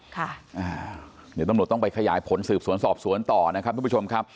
เดี๋ยวตำรวจต้องไปขยายผลสืบสวนสอบสวนต่อนะครับทุกผู้ชมครับ